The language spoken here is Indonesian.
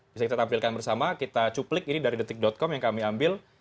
bisa kita tampilkan bersama kita cuplik ini dari detik com yang kami ambil